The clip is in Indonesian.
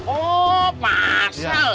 oh pak sal